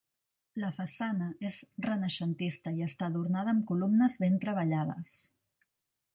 La façana és renaixentista i està adornada amb columnes ben treballades.